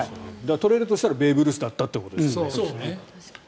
取れるとしたらベーブ・ルースだったということですよね。